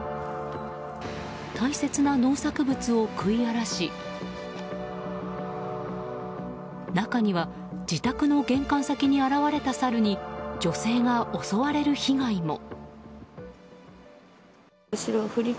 大切な農作物を食い荒らし中には自宅の玄関先に現れたサルに女性が襲われる被害も。